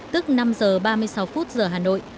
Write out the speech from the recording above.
tức năm giờ ba mươi sáu phút giờ hà nội